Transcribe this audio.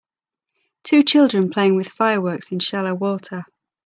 Two children playing with fireworks in shallow water